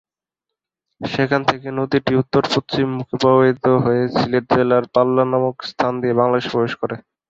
সেখান থেকে নদীটি উত্তর-পশ্চিম মুখে প্রবাহিত হয়ে সিলেট জেলার বাল্লা নামক স্থান দিয়ে বাংলাদেশে প্রবেশ করে।